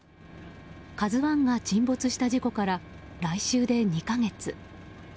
「ＫＡＺＵ１」が沈没した事故から来週で２か月。